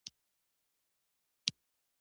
د سیسټم لاګ فایلونه تېروتنې ثبتوي.